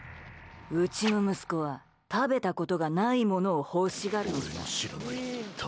うちの息子は食べたことがないものを欲しがるのさ。